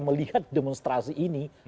melihat demonstrasi ini